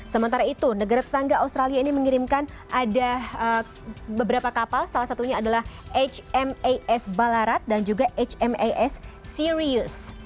sementara itu negara tetangga australia ini mengirimkan ada beberapa kapal salah satunya adalah hmas balarat dan juga hmas serius